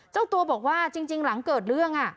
เจ้าตัวบอกว่าจริงหลังเกิดเรื่อง